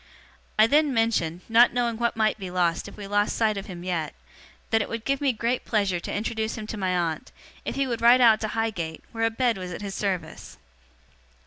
I then mentioned not knowing what might be lost if we lost sight of him yet that it would give me great pleasure to introduce him to my aunt, if he would ride out to Highgate, where a bed was at his service.